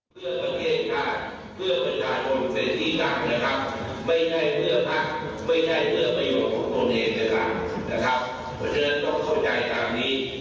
ผมขอยืนยันว่าผมจะดูแลพลักษณ์